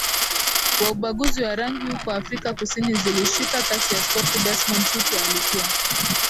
wa ubaguzi wa rangi huko Afrika Kusini zili shika kasi Askofu Desmond Tutu alikuwa